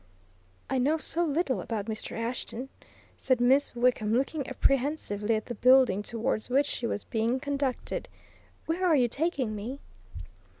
"I know so little about Mr. Ashton," said Miss Wickham, looking apprehensively at the building towards which she was being conducted. "Where are you taking me?"